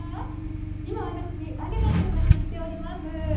今、私、アゲダという街に来ております。